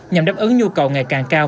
nhằm đáp ứng nhu cầu ngày càng cao